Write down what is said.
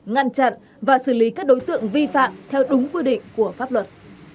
ngăn chặn và xử lý các đối tượng vi phạm theo đúng quy định của pháp luật